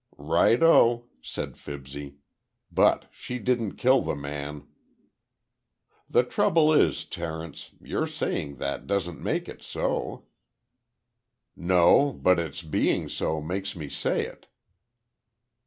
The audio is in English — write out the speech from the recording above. "Righto," said Fibsy, "but she didn't kill the man." "The trouble is, Terence, your saying that doesn't make it so." "No, but its being so makes me say it."